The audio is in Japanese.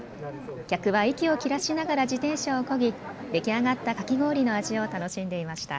客は息を切らしながら自転車をこぎ、出来上がったかき氷の味を楽しんでいました。